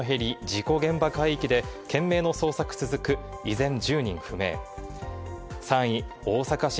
２位、陸上自衛隊のヘリ、事故現場海域で懸命の捜索続く、依然１０人不明。